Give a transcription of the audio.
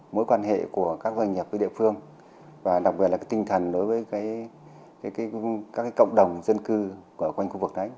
mối quan hệ của các doanh nghiệp với địa phương và đặc biệt là tinh thần đối với các cộng đồng dân cư ở quanh khu vực đấy